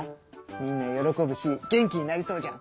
みんな喜ぶし元気になりそうじゃん！